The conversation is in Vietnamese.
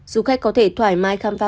du khách có thể thoải mái khám phá